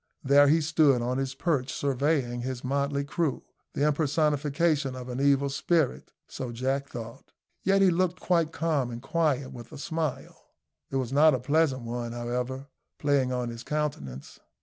There he stood on his perch surveying his motley crew the impersonation of an evil spirit so Jack thought. Yet he looked quite calm and quiet, with a smile it was not a pleasant one, however playing on his countenance.